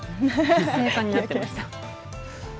精かんになってました。